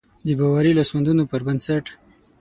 د باوري لاسوندونو پر بنسټ.